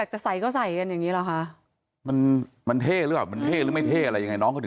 ก็ใส่กันเลย